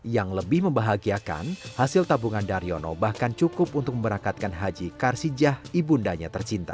yang lebih membahagiakan hasil tabungan daryono bahkan cukup untuk memberakatkan haji karsijah ibundanya tercinta